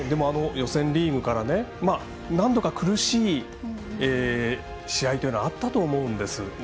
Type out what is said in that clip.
予選リーグから何度か苦しい試合というのはあったと思うんです。